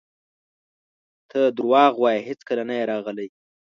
ته درواغ وایې هیڅکله نه یې راغلی!